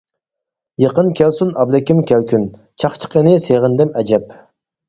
يېقىن كەلسۇن ئابلىكىم كەلكۈن، چاقچىقىنى سېغىندىم ئەجەب.